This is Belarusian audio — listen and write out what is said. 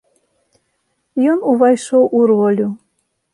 Ён увайшоў у ролю.